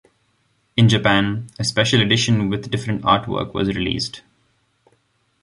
In Japan, a Special Edition with different artwork was released.